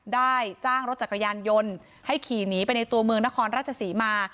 ได้จ้างรถจักรยานยนต์ให้ขี่หนีไปในตัวเมืองนครราชศรีมา